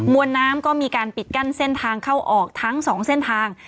วนน้ำก็มีการปิดกั้นเส้นทางเข้าออกทั้ง๒เส้นทาง